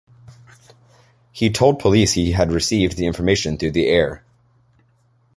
He told police he had received the information through the air.